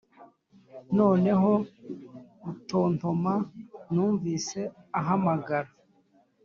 noneho gutontoma numvise ahamagara;